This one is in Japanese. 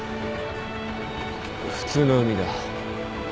普通の海だ。